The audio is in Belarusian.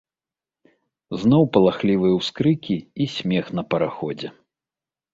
Зноў палахлівыя ўскрыкі і смех на параходзе.